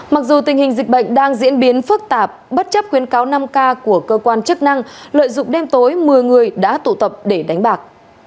mặc dù tình hình dịch bệnh đang diễn biến phức tạp bất chấp khuyến cáo năm k của cơ quan chức năng lợi dụng đêm tối một mươi người đã tụ tập để đánh bạc